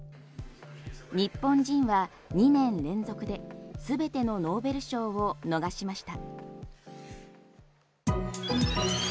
日本人は２年連続で全てのノーベル賞を逃しました。